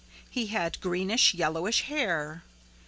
He had greenish yellowish hair.